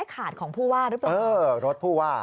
ขาดของภูวาหรือเปล่าเออรถภูวา